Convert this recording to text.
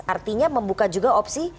artinya membuka juga opsi